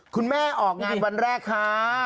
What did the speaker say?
คุณแม่ออกงานวันแรกค่ะ